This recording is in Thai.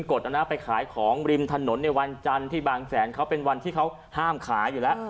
กดนะไปขายของริมถนนในวันจันทร์ที่บางแสนเขาเป็นวันที่เขาห้ามขายอยู่แล้ว